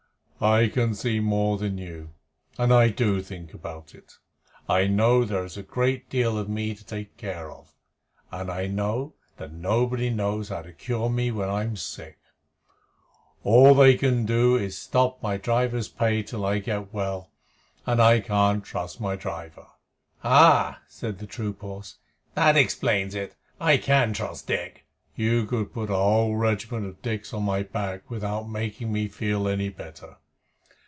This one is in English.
"I can see more than you, and I do think about it. I know there's a great deal of me to take care of, and I know that nobody knows how to cure me when I'm sick. All they can do is to stop my driver's pay till I get well, and I can't trust my driver." "Ah!" said the troop horse. "That explains it. I can trust Dick." "You could put a whole regiment of Dicks on my back without making me feel any better.